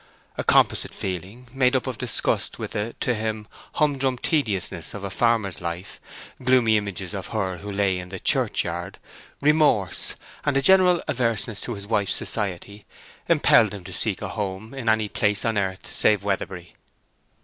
A composite feeling, made up of disgust with the, to him, humdrum tediousness of a farmer's life, gloomy images of her who lay in the churchyard, remorse, and a general averseness to his wife's society, impelled him to seek a home in any place on earth save Weatherbury.